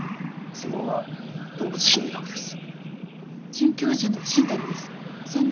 専門は動物生態学です。